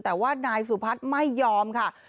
แต่ว่านายสุพัฒน์ไม่ยอมค่ะ